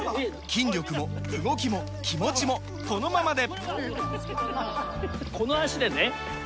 筋力も動きも気持ちもこのままで！